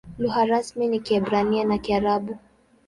Lugha rasmi ni Kiebrania na Kiarabu.